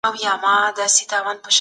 افغانانو د ښار کنټرول ترلاسه کړ.